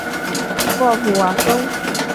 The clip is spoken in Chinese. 沃普瓦松。